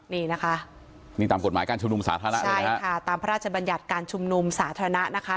นี่นะคะนี่ตามกฎหมายการชุมนุมสาธารณะใช่ค่ะตามพระราชบัญญัติการชุมนุมสาธารณะนะคะ